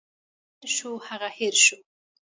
چي تیر شو، هغه هٻر شو.